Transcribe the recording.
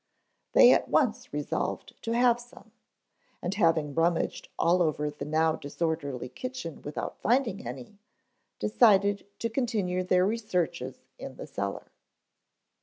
They at once resolved to have some, and having rummaged all over the now disorderly kitchen without finding any, decided to continue their researches in the cellar.